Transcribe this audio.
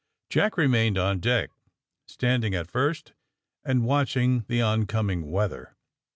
'^ Jack remained on deck, standing, at first, and watching the oncoming ^^ weather."